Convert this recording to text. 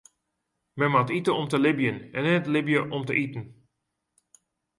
Men moat ite om te libjen en net libje om te iten.